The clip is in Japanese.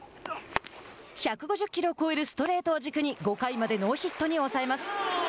１５０キロを超えるストレートを軸に５回までノーヒットに抑えます。